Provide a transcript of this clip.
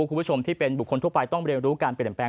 คุณผู้ชมที่เป็นบุคคลทั่วไปต้องเรียนรู้การเปลี่ยนแปลง